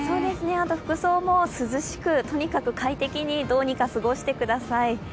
あと服装も涼しく、とにかく快適にどうにか過ごしてください。